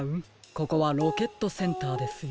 ここはロケットセンターですよ。